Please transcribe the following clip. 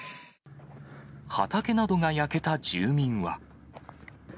畑などが焼けた住民は。